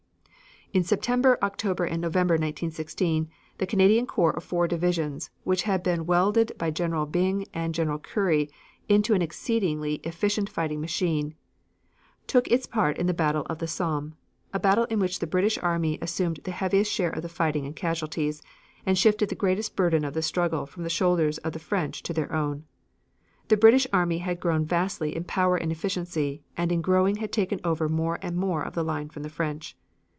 In September, October and November, 1916, the Canadian corps of four divisions, which had been welded by General Byng and General Currie into an exceedingly efficient fighting machine, took its part in the battle of the Somme a battle in which the British army assumed the heaviest share of the fighting and casualties, and shifted the greatest burden of the struggle from the shoulders of the French to their own. The British army had grown vastly in power and efficiency and in growing had taken over more and more of the line from the French.